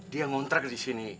dia ngontrak disini